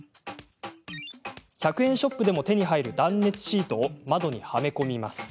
１００円ショップでも手に入る断熱シートを窓にはめ込みます。